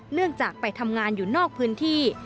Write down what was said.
เนื่องจากไปทำงานอยู่นอกพื้นที่